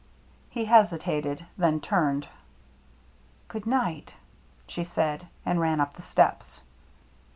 He hesitated, then turned. "Good night," she said, and ran up the steps.